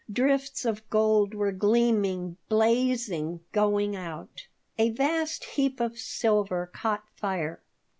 Drifts of gold were gleaming, blazing, going out. A vast heap of silver caught fire.